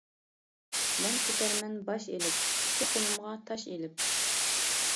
مەن كېتەرمەن باش ئېلىپ، ئىككى قولۇمغا تاش ئېلىپ.